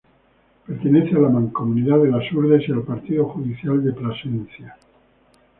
Pertenece a la mancomunidad de Las Hurdes y al Partido Judicial de Plasencia.